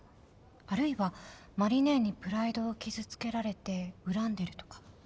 あるいは麻里姉にプライドを傷つけられて恨んでるとか。